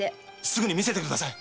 すぐに見せて下さい！